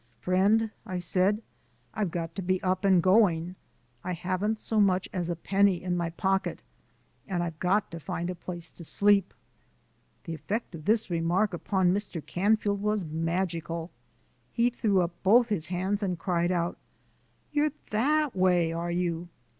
"Friend," I said, "I've got to be up and going. I haven't so much as a penny in my pocket, and I've got to find a place to sleep." The effect of this remark upon Mr. Canfield was magical. He threw up both his hands and cried out: "You're that way, are you?"